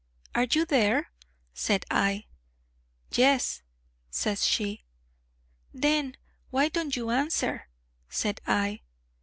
'Are you there?' said I. 'Yes,' says she. 'Then why don't you answer?' said I.